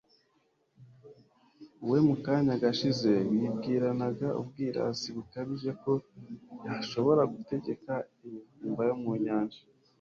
we mu kanya gashize, wibwiranaga ubwirasi bukabije ko yashobora gutegeka imivumba yo mu nyanja